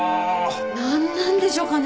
何なんでしょうかね